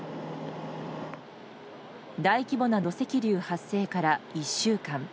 大規模な土石流発生から１週間。